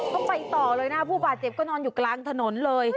ก็ไปต่อเลยนะผู้บาดเจ็บก็นอนอยู่กลางถนนเลย